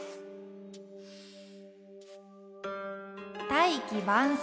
「大器晩成」。